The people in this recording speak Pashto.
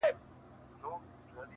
دا سرګم د خوږې میني شیرین ساز دی،